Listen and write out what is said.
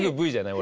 俺。